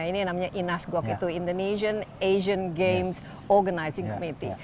ini yang namanya inas gok itu indonesian asian games organizing committee